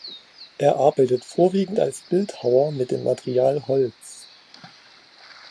Er arbeitet vorwiegend als Bildhauer mit dem Material Holz.